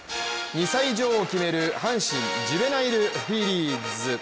２歳女王を決める阪神ジュベナイルフィリーズ。